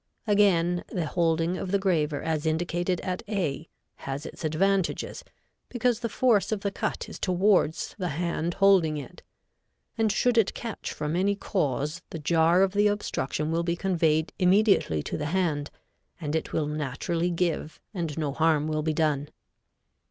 Again, the holding of the graver as indicated at A has its advantages, because the force of the cut is towards the hand holding it, and should it catch from any cause the jar of the obstruction will be conveyed immediately to the hand, and it will naturally give and no harm will be done.